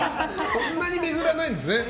そんなに巡らないんですね。